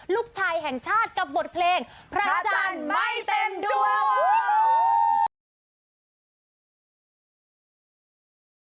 ลูกชายแห่งชาติกับบทเพลงพระจันทร์ไม่เต็มดวง